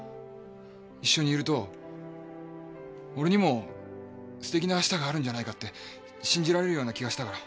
一緒にいると俺にもステキなあしたがあるんじゃないかって信じられるような気がしたから。